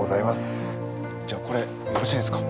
じゃあこれよろしいですか？